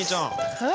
えっ？